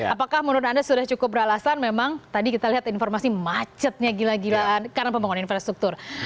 apakah menurut anda sudah cukup beralasan memang tadi kita lihat informasi macetnya gila gilaan karena pembangunan infrastruktur